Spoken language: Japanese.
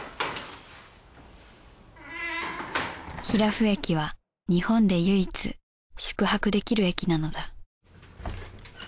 比羅夫駅は日本で唯一宿泊できる駅なのだ